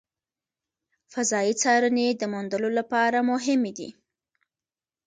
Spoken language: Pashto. فضایي څارنې د موندلو لپاره مهمې دي.